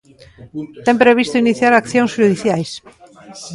Ten previsto iniciar accións xudiciais.